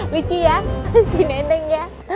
lucu ya si neneng ya